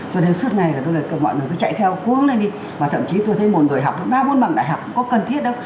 cho nên suốt ngày là mọi người cứ chạy theo cuốn lên đi và thậm chí tôi thấy một đời học ba bốn bằng đại học cũng có cần thiết đâu